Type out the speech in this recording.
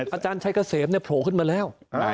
อาจารย์ชัยเกษมโผล่ขึ้นมาแล้ว